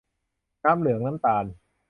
น้ำเหลืองน้ำตาล